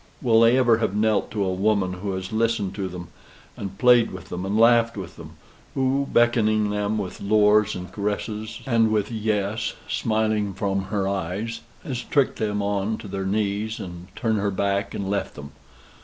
Will they ever have knelt to a woman who has listened to them, and played with them, and laughed with them who beckoning them with lures and caresses, and with Yes smiling from her eyes, has tricked them on to their knees, and turned her back and left them.